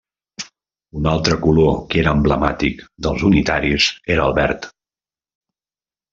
Un altre color que era emblemàtic dels unitaris era el verd.